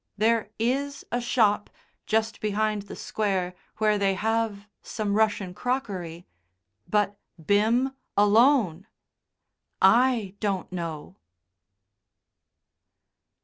There is a shop, just behind the Square, where they have some Russian crockery. But Bim alone! I don't know.